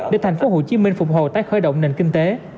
để tp hcm phục hồ tái khởi động nền kinh tế